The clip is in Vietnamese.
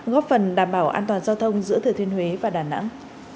góp phần đảm bảo an toàn giao thông giữa thời thuyền huế và đà nẵng